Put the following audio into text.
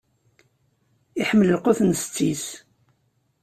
Iḥemmel lqut n setti-s.